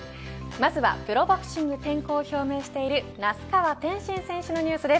まずはプロボクシング転向を表明している那須川天心選手のニュースです。